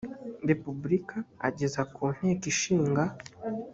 repubulika ageza ku nteko ishinga